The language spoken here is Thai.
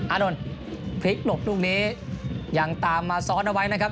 อารมณ์ฝลิกหลบนู่นนี้ยังตามมาซ้อนเอาไว้นะครับ